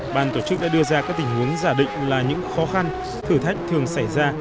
ban tổ chức đã đưa ra các tình huống giả định là những khó khăn thử thách thường xảy ra